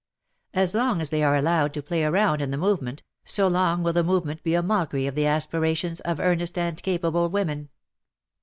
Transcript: As long as they are allowed to play around in the movement, so long will the movement be a mockery of the aspirations of earnest and capable women.